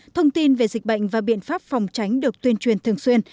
thông tin về dịch bệnh và biện pháp phòng tránh được tuyên truyền thường xuyên